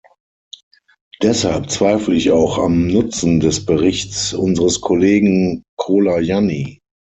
Deshalb zweifle ich auch am Nutzen des Berichts unseres Kollegen Colajanni.